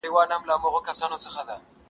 د محبت کچکول په غاړه وړم د ميني تر ښار .